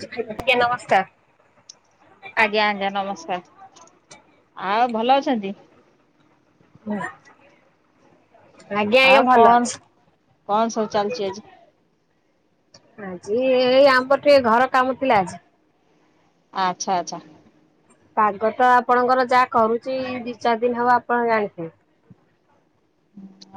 ଆଜ୍ଞା ନମସ୍କାର। ଆଜ୍ଞା ଆଜ୍ଞା ନମସ୍କାର। ଆଉ ଭଲ ଅଛନ୍ତି? ହୁଁ। ଆଉ କଣ କଣ ସବୁ ଚାଲିଛି ଆଜି? ଆଜି ଏଇ ଆମର ଟିକେ ଘର କାମଥିଲା ଆଜି। ଆଚ୍ଛା ଆଚ୍ଛା। ପାଗ ତ ଆପଣଙ୍କର ଯାହା କରୁଛି ଦି ଚାରି ଦିନ ହବ ଆପଣ ଜାଣିଥିବେ।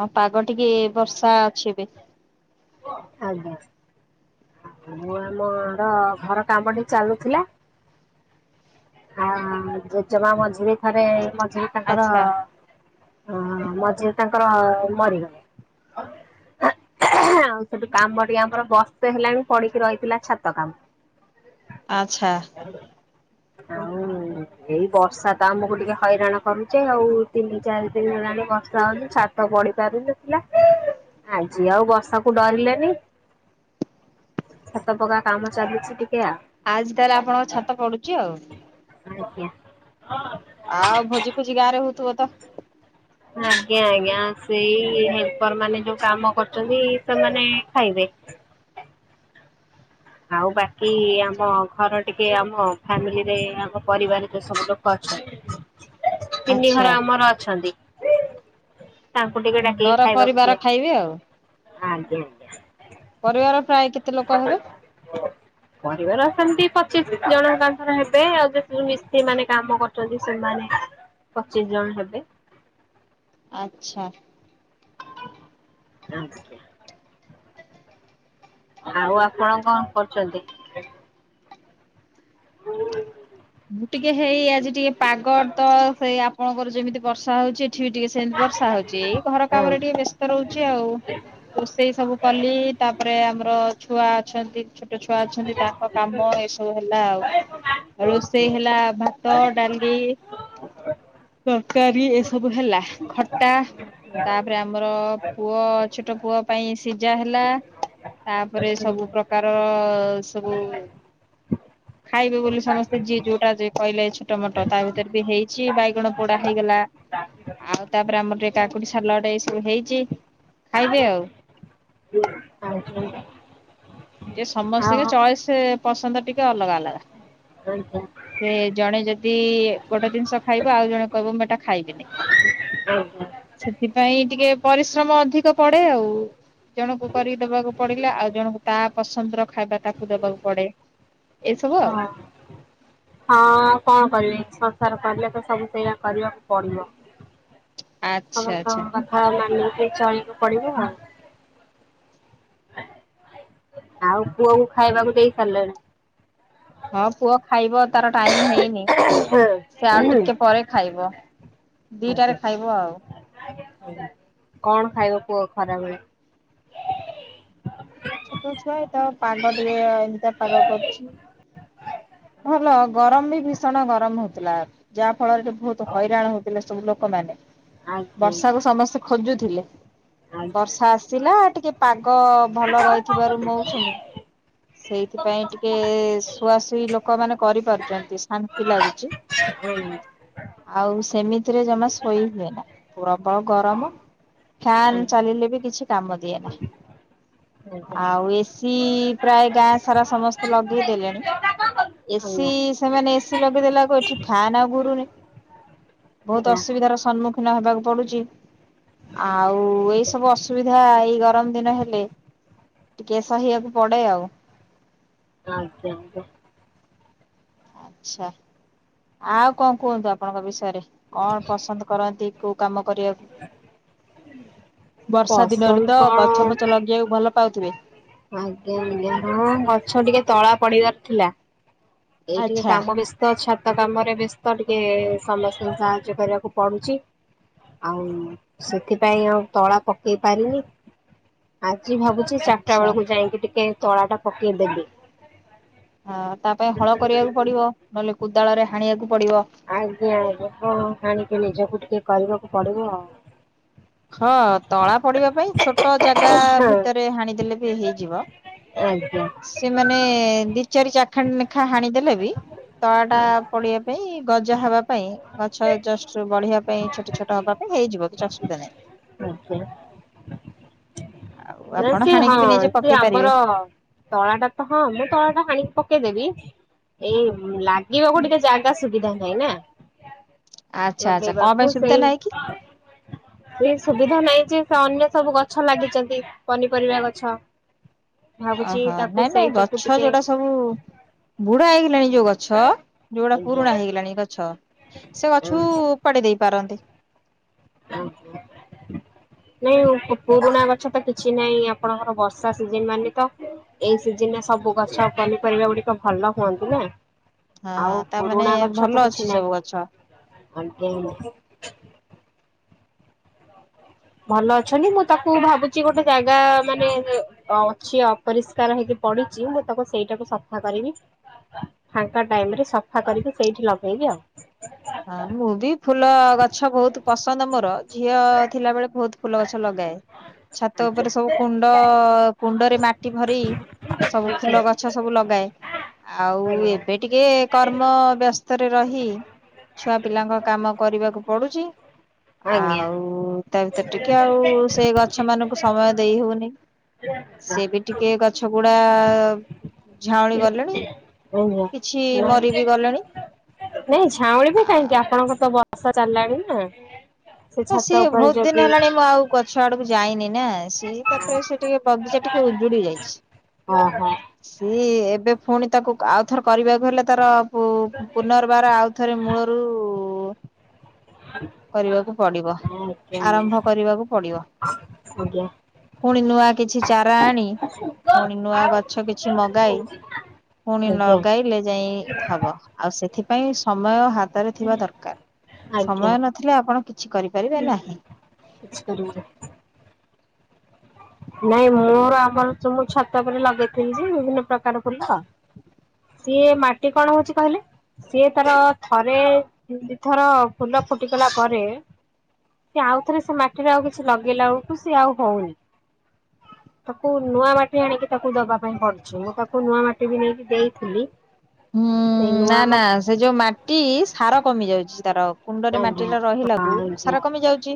ହଁ ପାଗ ଟିକେ ବର୍ଷା ଅଛି ଏବେ। ଆଜ୍ଞା। ମୁଁ ଆମର ଘର କାମ ଟି ଚାଲୁଥିଲା। ହଁ ଜେଜେମା ମଝିରେ ଥରେ ମଝି ତାଙ୍କର ଆଚ୍ଛା ଅ ମଝିରେ ତାଙ୍କର ମରିଗଲେ। ଆଉ ସେଠୁ କାମ ଟି ଆମର ବର୍ଷେ ହେଲାଣି ପଡିକି ରହିଥିଲା ଛାତ କାମ। ଆଚ୍ଛା। ଆଉ। ଏଇ ବର୍ଷା ତ ଆମକୁ ଟିକେ ହଇରାଣ କରୁଛେ ଆଉ ତିନି ଚାରି ଦିନ ହେଲାଣି ବର୍ଷା ହଉଛି ଛା ତ ପଡି ପାରୁନଥିଲା ଆଜି ଆଉ ବର୍ଷା। କୁ ଡରିଲେନି ଛାତ ପକା କାମ ଚାଲିଛି ଟିକେ ଆ ଆଜି ତାହେଲେ ଆପଣଙ୍କ ଛାତ ପଡୁଛି ଆଉ। ଆଜ୍ଞା। ଆଉ ଭୋଜି ଫୋଜି ଗାଁ ରେ ହଉଥିବ ତ? ଆଜ୍ଞା ଆଜ୍ଞା ସେଇ ହେଲ୍ପର ମାନେ ଯୋଉ କାମ କରୁଛନ୍ତି ସେମାନେ ଖାଇବେ। ଆଉ ବାକି ଆମ ଘର ଟିକେ ଆମ ଫ୍ୟାମିଲିରେ ଆମ ପରିବାରରେ ଯୋଉ ସବୁ ଲୋକ ଅଛ ତିନି ଆଚ୍ଛା ଘର ଆମର ଅଛନ୍ତି। ତାଙ୍କୁ ଟିକେ ଡାକିକି ଘର ଖାଇବାକୁ ପରିବାର ଦିଏ ଖାଇବେ ଆଉ। ଆଜ୍ଞା। ପରିବାର ପ୍ରାୟ କେତେ ଲୋକ ହେବେ? ହଁ। ପରିବାର ସେମତି ପଚିଶ ଜଣଙ୍କାଙ୍କର ହେବେ ଆଉ ଯେତିକି ମିସ୍ତ୍ରୀ ମାନେ କାମ କରୁଛନ୍ତି ସେମାନେ ପଚିଶ ଜଣ ହେବେ। ଆଚ୍ଛା। [unintelligible] ଆଉ ଆପଣ କଣ କରୁଛନ୍ତି? [inaudible] ମୁଁ ଟିକେ ହେଇ ଆଜି ଟିକେ ପାଗତ ତ ସେଇ ଆପଣଙ୍କର ଯେମିତି ବର୍ଷା ହଉଛି। ଏଠି ଟିକେ ସେମିତି ବର୍ଷା ହଉଛି ଘର କାମରେ ଟିକେ ବେସ ସ୍ତ ରହୁଛି ଆଉ ରୋଷେଇ ସବୁ କଲି ତାପରେ ଆମର ଛୁଆ ଅଛନ୍ତି ଛୋଟ ଛୁଆ ଅଛନ୍ତି ତାଙ୍କ କାମ ଏ ସବୁ ହେଲା ଆଉ। ଆଉ ରୋଷେଇ ହେଲା ଭାତ ଡାଲି। ତରକାରୀ ଏ ସବୁ ହେଲା ଖଟା। ତାପରେ ଆମର ପୁଅ ଛୋଟ ପୁଅ ପାଇଁ ସିଝା ହେଲା। ତାପରେ ସବୁ ପ୍ରକାର ସବୁ ଖାଇବେ ବୋଲି ସମସ୍ତେ ଯିଏ ଯୋଉଟା ଯ କହିଲେ ଛୋଟ ମୋଟ ତା ଭିତରେ ବି ହେଇଛି ବାଇଗଣ ପୋଡ଼ା ହେଇଗଲା। ଆଉ ତାପରେ ଆମର ଟିକେ କାକୁଡ଼ି ସାଲଡ ଏଇ ସବୁ ହେଇଛି ଖାଇବେ ଆଉ। [unintelligible] ଯେ ସମସ୍ତଙ୍କ ହଁ ଚଏସ୍ ପସନ୍ଦ ଟିକେ ଅଲଗା ଅଲଗା। ଆ ହ। ସେ ଜଣେ ଯଦି ଗୋଟେ ଜିନିଷ ଖାଇବ ଆଉ ଜଣେ କହିବ ମୁଁ ଏଟା ଖାଇବିନି। ଓ ହ। ସେଥିପାଇଁ ଟିକେ ପରିଶ୍ରମ ଅଧିକ ପଡ଼େ ଆଉ। ଜଣକୁ କରିକି ଦବାକୁ ପଡ଼ିଲା ଆଉ ଜଣଙ୍କୁ ତା ପସନ୍ଦର ଖାଇବା ତାକୁ ଦବାକୁ ପଡ଼େ। ହଁ। ହଁ କଣ କରିବେ ସଂସାର କହୀଲେ ତ ସବୁ ସେଇଆ କରିବାକୁ ପଡ଼ିବ। ଆଚ୍ଛା ଆଚ୍ଛା ସମସ୍ତଙ୍କ କଥା ମାନିକି ଚଳବାକୁ ପଡ଼ିବ ଆଉ। ଆଉ ପୁଅ କୁ ଖାଇବାକୁ ଦେଇ ସାରିଲଣି। ହଁ ପୁଅ ଖାଇବ ତାର ଟାଇମ ହେଇନି ସେ ଆଉ ଟିକେ ପରେ ଖାଇବ। ଦିଇଟାରେ ଖାଇବ ଆଉ। କଣ ଖାଇବ ପୁଅ ଖରାବେଳେ? ଛୋଟ ଛୁଆ ଏ ତ ପାଗ ଟିକେ ଏମିତିଆ ପାଗ କରିଛି। ଭଲ ଗରମ ବି ଭୀଷଣ ଗରମ ହଉଥିଲା। ଯାହା ଫଳରେ ଏଠି ବହୁତ ହଇରାଣ ହଉଥିଲେ ସବୁ ଲୋକମାନେ ବର୍ଷାକୁ ସମସ୍ତେ ଖୋଜୁଥିଲେ। ବର୍ଷା ଆସିଲା ଟିକେ ପାଗ ଭଲ ରହିଥିବାରୁ ମୌସୁମୀ ସେଇଥିପାଇଁ ଟିକେ ଶୁଆ ଶୁଇ ଲୋକ ମାନେ କରିପାରୁଛନ୍ତି ଶାନ୍ତି ଲାଗୁଛି। ହୁଁ। ଆଉ ସେମିତିରେ ଜମା ଶୋଇ ହୁଏନା ପ୍ରବଳ ଗରମ। ଫ୍ୟାାନ ଚାଲିଲେ ବି କିଛି କାମ ଦିଏ ନା। ଆଉ ଏସିି ପ୍ରାୟ ଗାଁ ସାରା ସମସ୍ତ ତେ ଲଗେଇଦେଲେଣି ଏସିି ସେମାନେ ଏସ ଲଗେଇଦେଲା ବେଳକୁ ଏଠି ଫ୍ୟାନ୍ ଆଉ ଘୁରୁନି ବହୁତ ଅସୁବିଧା ର ସମ୍ମୁ ଖିନ ହବାକୁ ପଡୁଛି ଆଉ ଏଇ ସବୁ ଅସୁବିଧା ଏଇ ଗରମ ଦିନ ହେଲେ ଟିକେ ସହିବାକୁ ପଡ଼େ ଆଉ। ଆଜ୍ଞା ଆଜ୍ଞା। ଆଚ୍ଛା। ଆଉ କଣ କୁହନ୍ତୁ ଆପଣଙ୍କ ବିଷୟରେ କଣ ପସନ୍ଦ କରନ୍ତି କୋଉ କାମ କରିବାକୁ? ବର୍ଷା ଦିନରେ ପସନ୍ଦ ତ କଣ ଗଛ ଫଛ ଲଗେଇବାକୁ ଭଲ ପାଉଥିବେ? ଆଜ୍ଞା ଆଜ୍ଞା ହଁ ଗଛ ଟିକେ ତଳା ପଡିବାର ଥିଲା ଏଇ ଟିକେ ଆଚ୍ଛା। କାମ ବେସ ତ ଛାତ କାମରେ ବ୍ୟସ୍ତ ଟିକେ ସମସ୍ତଙ୍କୁ ସାହାଯ୍ୟ କରିବାକୁ ପଡୁଛି। ଆଉ ସେଥିପାଇଁ ଆଉ ତଳା ପକେଇ ପାରିନି ଆଜି ଭାବୁଛି। ଚାରିଟା ଆଚ୍ଛା ବେଳକୁ ଯାଇକି ଟିକେ ତଳା ଟା ପକେଇଦେବି। ହଁ ତା ପାଇଁ ହଳ କରିବାକୁ ପଡିବ ନହେଲେ କୋଦାଳରେ ହାଣିବାକୁ ପଡିବ। ଆଜ୍ଞା କଣ ଆାଣିକି ନିଜକୁ ଟିକେ କରିବାକୁ ପଡିବ ଆଉ। ହଁ ତଳା ପଡିବା ପାଇଁ ଛୋଟ ଜାଗା ହଁ ଭିତରେ ହାଣିଦେଲେ ବି ହେଇଯିବ। ଆଜ୍ଞା। ସେମାନେ ଦି ଚାରି ଚାଖାଣି ଲେଖା ହାଣିଦେଲେ ବି ତଳା ଟା ପଡିବା ପାଇଁ ଗଜା ହବା ପାଇଁ ଗଛ ଜଷ୍ଟ ବଢିବା ପାଇଁ ଛୋଟ ଛୋଟ ହବା ପାଇଁ ହେଇଯିବ କିଛି ଅସୁବିଧା ନାହିଁ ଆଛା। ଆଉ ନା ଆପଣ ସେ ହାଣିକି ହଁ ବି ନିଜେ ସେ ପକେଇ ପାରିବେ ଆମର ତଳା ଟା ତ ହଁ ମୁଁ ତଳା ଟା ହାଣିକି ପକେଇଦେବି ଏଇ ଲାଗିବାକୁ ଟିକେ ଜାଗା ସୁବିଧା ନାହିଁ ନା। ଆଚ୍ଛା ଆଚ୍ଛା କଣ ପାଇଁ ଲଗେଇବାକୁ ସୁବିଧା ସେଇ ନାହିଁ କି ଏ ସୁବିଧା ନାହିଁ ଯେ ସେ ଅନ୍ୟ ସବୁ ଗଛ ଲାଗିଛନ୍ତି ପନିପରିବା ଗଛ। ଭାବୁଛି ଓହୋ ତାକୁ ନାଇଁ ନାଇଁ ସେଇଟାକୁ ଗଛ ଟିକେ ଯୋଉଟା ସବୁ ବୁଢା ହେଇଗଲାଣି ଯୋଉ ଗଛ ଯୋଉଗୁଡା ଆଜ୍ଞା ପୁରୁଣା ହେଇଗଲାଣି ଗଛ। ସେ ଗଛକୁ ଆଜ୍ଞା ଉପାଡି ଦେଇ ପାରନ୍ତି। ଓ ହୋ। ନାଇଁ ପୁରୁଣା ଗଛ ତ କିଛି ନାହିଁ ଆପଣଙ୍କର ବର୍ଷା ସିଜିନ୍ ମାନେ ତ ଏଇ ସିଜିନରେ ସବୁ ଗଛ ପନିପରିବା ଗୁଡିକ ଭଲ ହୁଅନ୍ତି ନା। ହଁ ଆଉ ତାମାନେ ପୁରୁଣା ଗଛ ଭଲ ତ ଅଛି କିଛି ସବୁ ଗଛ ନାହିଁ। ଆଜ୍ଞା। ଭଲ ଅଛନ୍ତି ମୁଁ ତାକୁ ଭାବୁଛି ଗୋଟେ ଜାଗା ମାନେ ଅ କି ଅପରିଷ୍କାର ହେଇକି ପଡିଛି ମୁଁ ତାକୁ ସେଇଟାକୁ ସଫା କରିବି। ଫାଙ୍କା ଟାଇମ ରେ ସଫା କରିକି ସେଇଠି ଲଗେଇକି ଆଉ ହଁ ମୁଁ ବି ଫୁଲ ଗଛ ବହୁତ ପସନ୍ଦ ମୋର ଝିଅ ଥିଲା ବଳେ ବହୁତ ଫୁଲ ଗଛ ଲଗାଏ। ଛାତ ଆଜ୍ଞା ଉପରେ ସବୁ କୁଣ୍ଡ କୁଣ୍ଡରେ ମାଟି ଭରି ସବୁ ଫୁଲ ଗଛ ସବୁ ଲଗାଏ। ଆଉ ଏବେ ଟିକେ କର୍ମ ବ୍ୟସ୍ତରେ ରହି ଛୁଆ ପିଲାଙ୍କ କାମ କରିବାକୁ ପଡୁଛି ଆଜ୍ଞା ଆଉ ତା ଭିତରେ ଟିକେ ଆଉ ସେ ଗଛ ମାନଙ୍କୁ ସମୟ ଦେଇ ହଉନି ସେ ବି ଟିକେ ଗଛ ଗୁଡା ଝାଉଳି ଗଲେଣି ଆଜ୍ଞା କିଛି ମରିବି ଗଲେଣି। ଆଜ୍ଞା ନାଇଁ ଝାଉଁଳିବେ କାହିଁକି ଆଉ ଆପଣଙ୍କର ତ ବର୍ଷା ଚାଲିଲାଣି ନା। ସେ ତ ଛାତ ସିଏ ଉପରେ ବହୁତ ଦିନ ଯଦି ହେଲାଣି ମୁଁ ଆଉ ଗ ଛ ଆଡକୁ ଯାଇନି ନା ସି ତାପରେ ସେ ଟିକେ ବଗିଚା ଟିକେ ଉଜୁଡି ଯାଇଛି। ଓ ହୋ‌। ସିଏ ଏବେ ପୁଣି ତାକୁ ଆଉ ଥର କରିବାକୁ ହେଲେ ତାର ପୁ ପୁନର୍ ତାର ଆଉଥରେ ମୂଳରୁ କରିବାକୁ ପଡିବ ଆଜ୍ଞା ଆରମ୍ଭ କରିବାକୁ ପଡିବ ଆଜ୍ଞା ଆଜ୍ଞା ପୁଣି ନୂଆ କିଛି ଚାରା ଆଣି ପୁଣି ନୂଆ ଗଛ କିଛି ମଗାଇ ପୁଣି ଆଜ୍ଞା ଲଗାଇଲେ ଯାଇ ହବ। ଆଉ ସେଥିପାଇଁ ସମୟ ହାତରେ ଥିବା ଦରକାର ଆଜ୍ଞା ସମୟ ନଥିଲେ ଆପଣ କି କରିପାରିବା ନାହିଁ। କିଛି କରିବୁନି। ନାଇଁ ମୋର ଆମର ତ ମୁଁ ଛାତ ଉପରେ ଲଗେଇଥିଲି ଯେ ବିଭିନ୍ନ ପ୍ରକାର ଫୁଲ ସିଏ ମାଟି କଣ ହଉଛି କହିଲେ ସିଏ ତାର ଥରେ ଦି ଥର ଫୁଲ ଫୁ ଫୁଟି ଗଲା ପରେ ସିଏ ଆଉ ଥରେ ସେ ମାଟିରେ ଆଉ କିଛି ଲଗେଇଲା ବେଳକୁ ସିଏ ଆଉ ହଉନି। ତାକୁ ନୂଆ ମାଟି ଆଣିକି ତାକୁ ଦବା ପାଇଁ ପଡ଼ୁଛି ମୁଁ ତାକୁ ନୂଆ ମାଟି ବି ନେଇକି ଦେଇଥିଲି ହୁଁ ସେଇ ନା ନୂଆ ନା ମାଟି ସେ ଯୋଉ ମାଟି ସାର କମି ଯାଉଛି ତାର। କୁଣ୍ଡରେ ମାଟି ଆଜ୍ଞା ଟା ହଁ ରହିଲାକୁ ଆଜ୍ଞା ସାର କମି ଯାଉଛି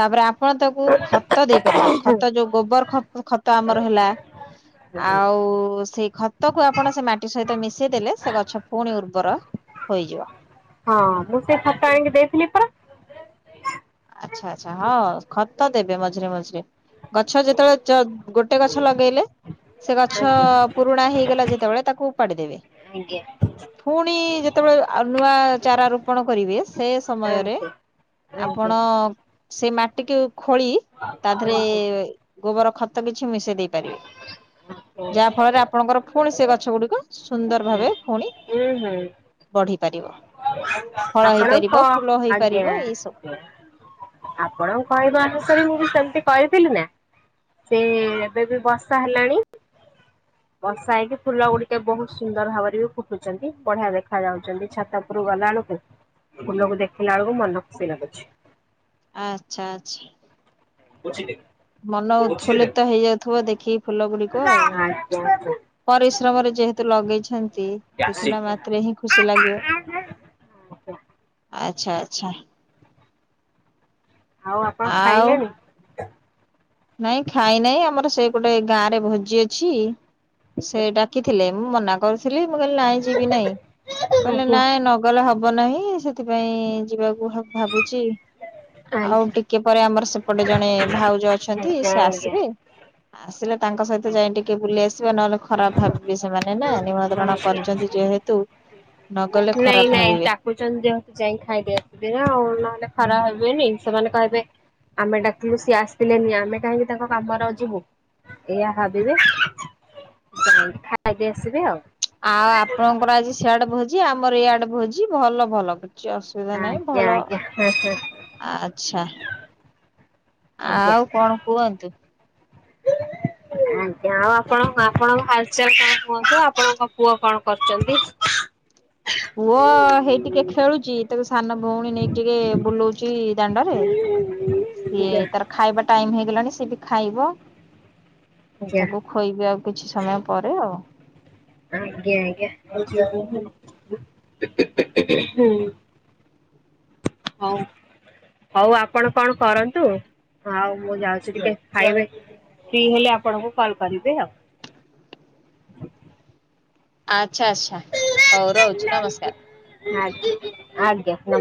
ତାପରେ ଆପଣ ତାକୁ ଖତ ଦେଇପାରିବେ ଖତ ଯୋଉ ଗୋବର ଖତ ଆମର ହେଲା ଆଜ୍ଞା ଆଉ ସେଇ ଖତ କୁ ଆପଣ ସେ ମାଟି ସହିତ ମିଶେ ମିଶେଇ ଦେଲେ ସେ ଗଛ ପୁଣି ଉର୍ବର ହୋଇଯିବ। ହଁ ମୁଁ ସେ ଖତ ଆଣିକି ଦେଇଥିଲି ପରା। ଆଚ୍ଛା ଆଚ୍ଛା ହଁ ଖତ ଦେବେ ମଝିରେ ମଝିରେ। ଗଛ ଯେତେବେଳେ ଯ ଗୋଟେ ଗଛ ଲଗେଇଲେ ସେ ଗଛ ଆଜ୍ଞା ପୁରୁଣା ହେଇଗଲା ଯେତେବେଳେ ତାକୁ ଉପାଡ଼ି ଦେବେ। ଆଜ୍ଞା। ପୁଣି ଯେତେବେଳେ ନୂଆ ଚାରା ରୋପଣ କରିବେ ସେ ସମୟରେ ଆଜ୍ଞା ଆପଣ ଆଜ୍ଞା ସେ ମାଟିକୁ ଖୋଳି ତା ଦେହରେ ଆଜ୍ଞା ଗୋବର ଖତ କିଛି ମିଶେଇ ଦେଇ ପାରିବେ ଯାହା ହୁଁ ଫଳରେ ଆପଣଙ୍କର ପୁଣି ସେ ଗଛ ଗୁଡି଼କ ସୁନ୍ଦର ଭାବେ ପୁଣି ହୁଁ ବଢି଼ ପାରିବ। ଫଳ ଆପଣଙ୍କ ହେଇପାରିବ ଫୁଲ ଆଜ୍ଞା। ହେଇପାରିବ ଏଇ ସବୁ ଆପଣଙ୍କ କହିବା ଅନୁସାରେ ମୁଁ ବି ସେମିତି କହିଥିଲି ନା, ସେ ଏବେ ବି ବର୍ଷା ହେଲାଣି ବର୍ଷା ହେଇକି ଫୁଲ ଗୁଡ଼ିକ ବହୁତ ସୁନ୍ଦର ଭାବରେ ବି ଫୁଟୁଛନ୍ତି, ବଢ଼ିଆ ଦେଖା ଯାଉଛନ୍ତି ଛାତ ଉପୁରୁକୁ ଗଲା ବେଳକୁ ଫୁଲକୁ ଦେଖିଲା ବେଳକୁ ମନ ଖୁସି ଲାଗୁଛି। ଆଚ୍ଛା ଆଚ୍ଛା। ବୁଝିଲେ? ମନ ଉତ୍ଫୁଲ୍ଲିତ ହେଇଯାଉଥିବ ଦେଖିକି ଫୁଲ ଗୁଡ଼ିକ ଆଉ। [unintelligible] ପରିଶ୍ରମରେ ଯେହେତୁ ଲଗେଇଛନ୍ତି ଦେଖିଲା ମାତ୍ରେ ହିଁ ଖୁସି ଲାଗିବ। ହଁ। ଆଚ୍ଛା ଆଚ୍ଛା। ଆଉ ଆପଣ ଆଉ ଖାଇଲେଣି? ନାଇଁ ଖାଇ ନାହିଁ ଆମର ସେ ଗୋଟେ ଗାଁରେ ଭୋଜି ଅଛି ସେ ଡାକିଥିଲେ ମୁଁ ମନା କରୁଥିଲି ମୁଁ କହିଲି ନାଇଁ ଯିବି ନାଇଁ କହିଲେ ଆଜ୍ଞା ନାଇଁ ନ ଗଲେ ହବ ନାହିଁ ସେଥିପାଇଁ ଯିବାକୁ ହ ଭାବୁଛି ଆଉ ଆଜ୍ଞା ଟିକେ ପରେ ଆମର ସେପଟେ ଜଣେ ଭାଉଜ ଅଛନ୍ତି ଆଜ୍ଞା ସେ ଆଜ୍ଞା ଆସିବେ ଆସିଲେ ତାଙ୍କ ସହିତ ଯାଇ ଟିକେ ବୁଲି ଆସିବା ନହେଲେ ଖରାପ ଭାବି ବେ ସେମାନେ ନା ନିମନ୍ତ୍ରଣ ଆଜ୍ଞା। କରିଛନ୍ତି ଯେହେତୁ ନଗଲେ ନାଇଁ ଖରାପ ନାଇଁ ଭାବିବେ। ଡାକୁଛନ୍ତି ଯେହେତୁ ଯାଇ ଖାଇଦେଇ ଆସିବେନା ଆଉ ନହେଲେ ଖରାପ ଭାବି ବେନି ସେମାନେ କହିବେ ଆମେ ଡାକିଲୁ ସିଏ ଆସିଲେନି ଆମେ କାହିଁକି ତାଙ୍କ କାମରେ ଯିବୁ? ଏଇଆ ଭାବିବେ ଯାଇକି ଖାଇଦେଇ ଆସିବେ ଆଉ। ଆଉ ଆପଣଙ୍କର ଆଜି ସିଆଡ଼େ ଭୋଜି ଆମର ଇଆଡ଼େ ଭୋଜି ଭଲ ଭଲ କିଛି ଅସୁ ସୁବିଧା ନାହିଁ ଆଜ୍ଞା ଭଲ ଆଜ୍ଞା ହଁ ହଁ ଆଚ୍ଛା। ଆଜ୍ଞା ଆଉ କଣ କୁହନ୍ତୁ? [inaudible] ଆଜ୍ଞା ଆଉ ଆପଣ ଆପଣଙ୍କ ହାଲଚାଲ କଣ କୁହନ୍ତୁ ଆପଣଙ୍କ ପୁଅ କଣ କରୁଛନ୍ତି? ପୁଅ ହେଇ ଟିକେ ଖେଳୁଛି ତାକୁ ସାନ ଭଉଣୀ ନେଇକି ଟିକେ ବୁଲ ଉଛି ଦାଣ୍ଡରେ ସିଏ ଆଜ୍ଞା ତାର ଖାଇବା ଟାଇମ ହେଇଗଲାଣି ସିଏ ବି ଖାଇବ ତାକୁ ଖୋଇବି ଆଉ କିଛି ସମୟ ପରେ ଆଉ। ଆଜ୍ଞା ଆଜ୍ଞା ହୁଁ। ହଉ। ହଉ ଆପଣ କଣ କରନ୍ତୁ ଆଉ ମୁଁ ଯାଉଛି ଟିକେ ଖାଇବେ। ଫ୍ରି ହେଲେ ଆପଣଙ୍କୁ କଲ୍ କରିବେ ଆଉ। ଆଚ୍ଛା ଆଚ୍ଛା ହଉ ରହୁଛି ନମସ୍କାର। ଆଜ୍ଞା ଆଜ୍ଞା ନମସ୍କାର।